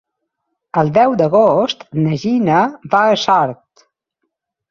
El deu d'agost na Gina va a Sort.